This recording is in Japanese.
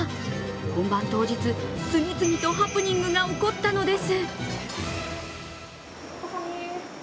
本番当日、次々とハプニングが起こったのです。